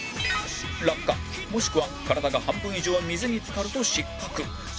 落下もしくは体が半分以上水につかると失格